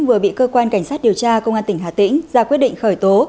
vừa bị cơ quan cảnh sát điều tra công an tỉnh hà tĩnh ra quyết định khởi tố